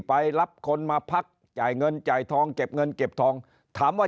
ไปรับคนมาพักจ่ายเงินจ่ายทองเก็บเงินเก็บทองถามว่า